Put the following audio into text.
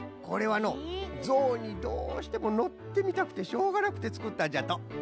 これはのうゾウにどうしても乗ってみたくてしょうがなくてつくったんじゃと！